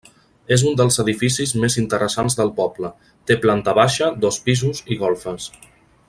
És un dels edificis més interessants del poble, té planta baixa, dos pisos i golfes.